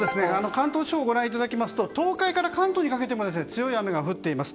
関東地方、ご覧いただきますと東海から関東にかけても強い雨が降っています。